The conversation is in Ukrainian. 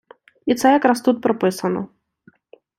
І це якраз тут прописано.